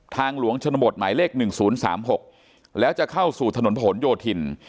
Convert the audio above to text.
ทางหลวงชนบทหมายเลขหนึ่งศูนย์สามหกแล้วจะเข้าสู่ถนนผนโยธิน